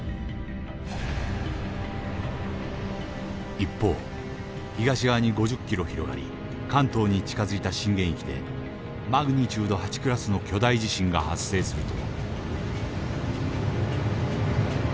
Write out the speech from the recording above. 一方東側に５０ｋｍ広がり関東に近づいた震源域でマグニチュード８．０クラスの巨大地震が発生すると。